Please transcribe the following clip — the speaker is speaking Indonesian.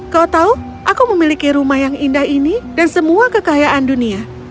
kau tahu aku memiliki rumah yang indah ini dan semua kekayaan dunia